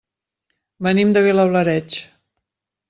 Venim de Vilablareix.